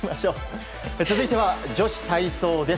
続いては女子体操です。